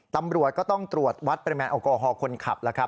ตำรวจก็ต้องตรวจวัดประแมนอากอฮอล์คนขับ